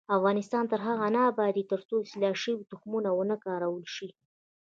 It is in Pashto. افغانستان تر هغو نه ابادیږي، ترڅو اصلاح شوي تخمونه ونه کارول شي.